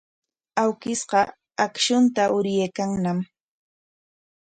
Awkishqa akshunta uryaykanñam.